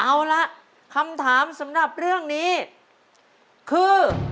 เอาละคำถามสำหรับเรื่องนี้คือ